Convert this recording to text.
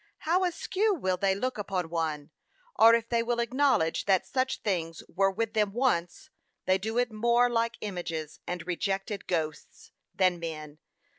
how askew will they look upon one; or if they will acknowledge that such things were with them once, they do it more like images and rejected ghosts, than men.